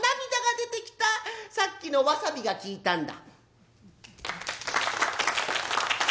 さっきのわさびが利いたんだ」。